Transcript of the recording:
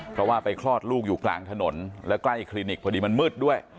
เพราะว่าไปคลอดลูกอยู่กลางถนนแล้วใกล้คลินิกพอดีมันมืดด้วย